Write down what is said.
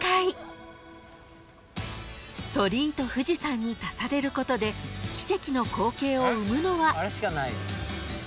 ［鳥居と富士山に足されることで奇跡の光景を生むのは］